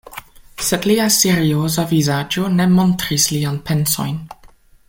Sed lia serioza vizaĝo ne montris liajn pensojn.